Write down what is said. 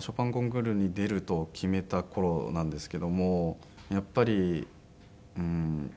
ショパンコンクールに出ると決めた頃なんですけどもやっぱりうーん。